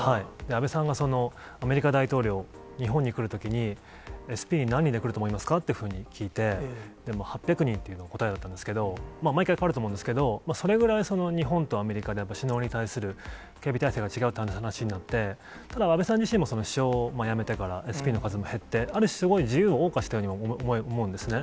安倍さんがアメリカ大統領、日本に来るときに、ＳＰ何人で来ると思いますかっていうふうに聞いて、８００人っていうのが答えだったんですけど、毎回変わると思うんですけど、それぐらい日本とアメリカで首脳に対する警備態勢が違うって話になって、ただ、安倍さんにしても、首相を辞めてから、ＳＰの数も減って、ある種、すごい自由を謳歌したように思うんですね。